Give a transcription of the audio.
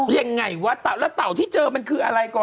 ยังไงวะเต่าแล้วเต่าที่เจอมันคืออะไรก่อน